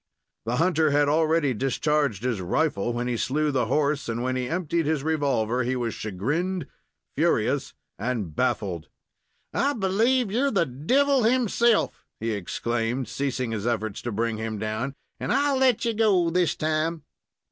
The hunter had already discharged his rifle when he slew the horse, and when he emptied his revolver, he was chagrined, furious, and baffled. "I believe you're the devil himself!" he exclaimed, ceasing his efforts to bring him down, "and I'll let you go this time!"